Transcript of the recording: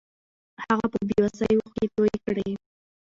هغه په بې وسۍ اوښکې توې کړې.